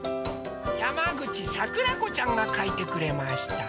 やまぐちさくらこちゃんがかいてくれました。